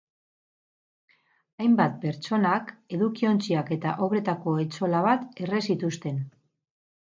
Hainbat pertsonak edukiontziak eta obretako etxola bat erre zituzten.